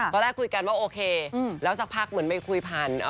ตอนแรกคุยกันว่าโอเคแล้วสักพักเหมือนไม่คุยผ่าน